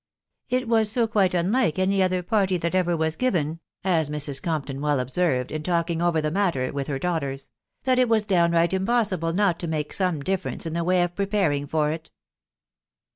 " It was so quite unlike any other party that ever was given," as Mrs. Compton well observed, in talking over the. matter with her daughters, " that it was downright impossible not to make some difference in the way of preparing for it."